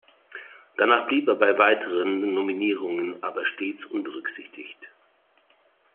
Danach blieb er bei weiteren Nominierungen aber stets unberücksichtigt.